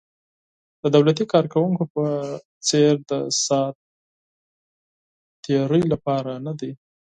د دولتي کارکوونکو په څېر د ساعت تېرۍ لپاره نه دي.